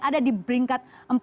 ada di peringkat empat